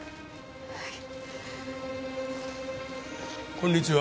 こんにちは。